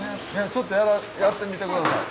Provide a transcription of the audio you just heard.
ちょっとやってみてください。